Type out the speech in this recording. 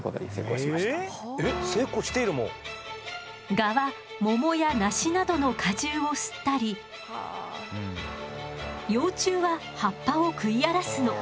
ガは桃や梨などの果汁を吸ったり幼虫は葉っぱを食い荒らすの。